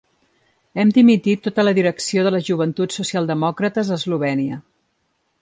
Hem dimitit tota la direcció de les joventuts socialdemòcrates a Eslovènia.